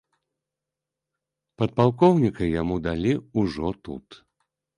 Падпалкоўніка яму далі ўжо тут.